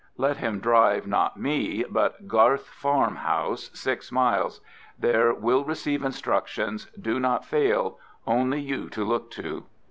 Let him drive not me, but Garth Farm House—six miles. There will receive instructions. Do not fail; only you to look to."